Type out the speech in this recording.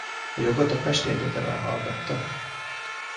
A jogot a pesti egyetemen hallgatta.